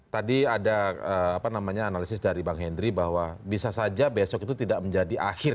tadi ada analisis dari bang henry bahwa bisa saja besok itu tidak menjadi akhir